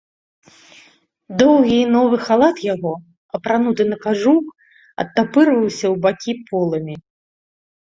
Доўгі і новы халат яго, апрануты на кажух, адтапырваўся ў бакі поламі.